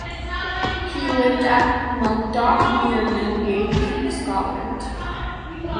He lived at Mugdock, near Milngavie, Scotland.